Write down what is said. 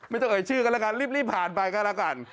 ต้องเอ่ยชื่อกันแล้วกันรีบผ่านไปก็แล้วกัน